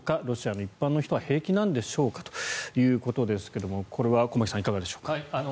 ロシアの一般の人は平気なのでしょうかということですがこれは駒木さん、いかがでしょうか。